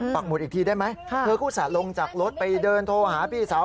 ปักหมุดอีกทีได้ไหมเขากู่นรถรถลงจากรถไปเดินโทรหาพี่สาว